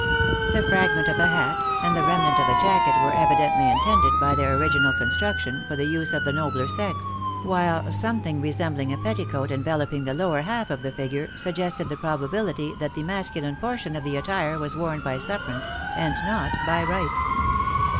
The fragment of a hat, and the remnant of a jacket were evidently intended, by their original construction, for the use of the nobler sex, while something resembling a petticoat enveloping the lower half of the figure, suggested the probability that the masculine portion of the attire was worn by sufferance, and not by right.